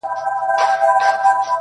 د زړه لاسونه مو مات ، مات سول پسي.